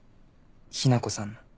雛子さんの。